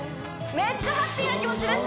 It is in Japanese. めっちゃハッピーな気持ちです